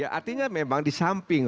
artinya memang di samping